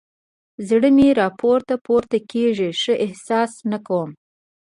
زړه مې راپورته پورته کېږي؛ ښه احساس نه کوم.